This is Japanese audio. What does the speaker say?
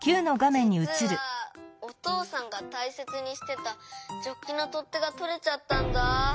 じつはおとうさんがたいせつにしてたジョッキのとってがとれちゃったんだ。